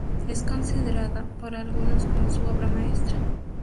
Es considerada por algunos como su obra maestra.